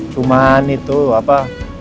cuman itu apa